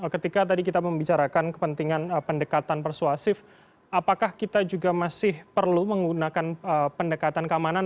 ketika tadi kita membicarakan kepentingan pendekatan persuasif apakah kita juga masih perlu menggunakan pendekatan keamanan